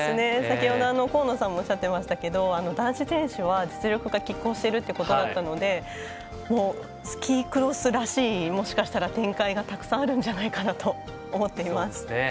先ほど河野さんもおっしゃっていましたが男子選手は実力がきっ抗しているということだったのでスキークロスらしい展開がもしかしたらたくさんあるんじゃないかなと思っています。